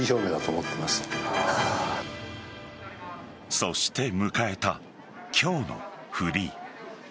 そして迎えた今日のフリー。